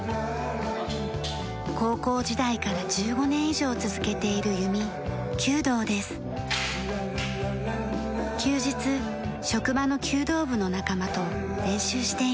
高校時代から１５年以上続けている弓休日職場の弓道部の仲間と練習しています。